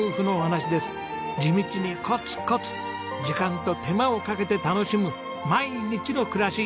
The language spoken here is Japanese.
地道にコツコツ時間と手間をかけて楽しむ毎日の暮らし。